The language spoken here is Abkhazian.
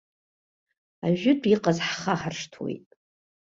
Ажәытә иҟаз ҳхаҳаршҭуеит.